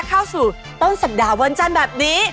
เข้าสู่ต้นสัปดาห์วันจันทร์แบบนี้